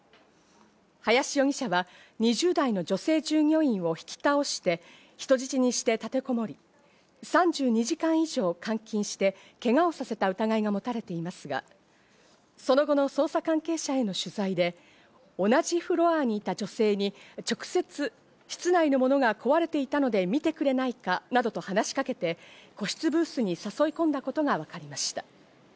林容疑者は２０代の女性従業員用を引き倒して人質にして立てこもり、３２時間以上、監禁して、けがをさせた疑いが持たれていますが、その後の捜査関係者への取材で同じフロアにいた女性に直接、室内のものが壊れていたので見てくれないかなどと話し掛けて個室ブースに誘い込んだことがわかりました。